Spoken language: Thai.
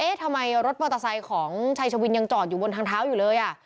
ทำไมรถมอเตอร์ไซค์ของชัยชวินยังจอดอยู่บนทางเท้าอยู่เลยอ่ะ